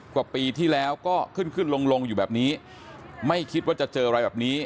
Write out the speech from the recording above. กว่าปีที่แล้วก็ขึ้นขึ้นลงลงอยู่แบบนี้ไม่คิดว่าจะเจออะไรแบบนี้